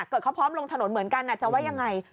เกิดเขาพร้อมลงถนนเหมือนกันจะว่ายังไง